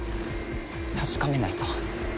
確かめないと。